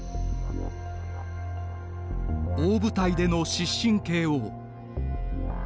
大舞台での失神ＫＯ。